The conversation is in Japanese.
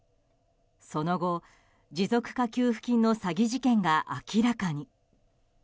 その後、持続化給付金の詐欺事件が明らかに。